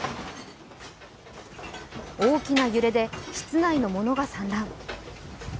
大きな揺れで室内のものが散乱。